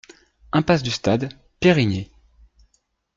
Impasse du Stade, Périgny